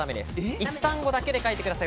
１単語だけで書いてください。